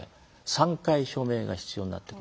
３回、署名が必要になってくる。